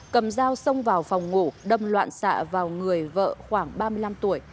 cầm dao xông vào phòng ngủ đâm loạn xạ vào người vợ khoảng ba mươi năm tuổi